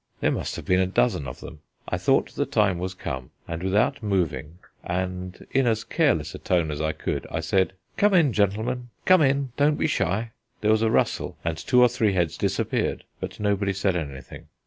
There must have been a dozen of them. I thought the time was come, and without moving, and in as careless a tone as I could, I said: "Come in, gentlemen, come in; don't be shy." There was a rustle, and two or three heads disappeared, but nobody said anything.